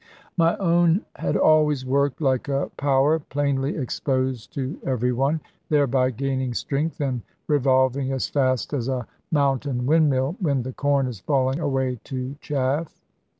My own had always worked like a power plainly exposed to every one; thereby gaining strength and revolving as fast as a mountain windmill, when the corn is falling away to chaff.